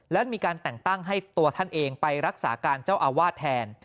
และมีการแต่งตั้งให้ตัวท่านเองไปรักษาการเจ้าอาวาสแทน